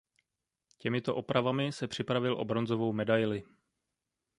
Těmito opravami se připravil o bronzovou medaili.